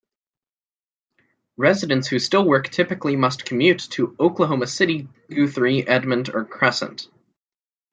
Residents who still work typically must commute to Oklahoma City, Guthrie, Edmond or Crescent.